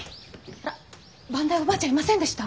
番台おばあちゃんいませんでした？